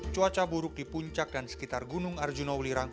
cuaca buruk di puncak dan sekitar gunung arjuna ulirang